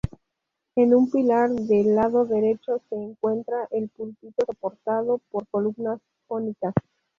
En un pilar del lado derecho se encuentra el púlpito soportado por columnas jónicas.